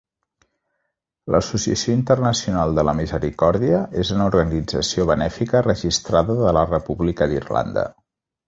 L'Associació Internacional de la Misericòrdia és una organització benèfica registrada de la República d'Irlanda.